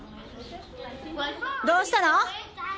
どうしたの？